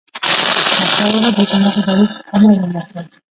احمدشاه بابا د حکومت ادارې ته نظم ورکړ.